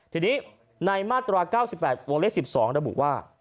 ทีนี้ในมาตรา๙๘วงเลข๑๒ระบุว่า